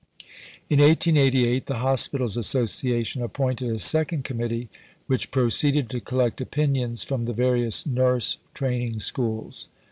In 1888 the Hospitals Association appointed a second committee which proceeded to collect opinions from the various Nurse Training Schools.